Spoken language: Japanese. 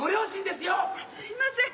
すみません。